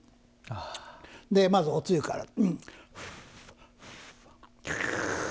まず、おつゆから。